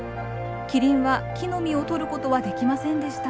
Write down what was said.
キリンは木の実をとることはできませんでした。